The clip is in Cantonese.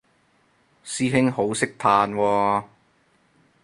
師兄好識嘆喎